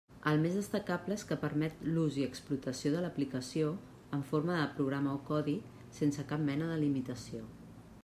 El més destacable és que permet l'ús i explotació de l'aplicació, en forma de programa o codi, sense cap mena de limitació.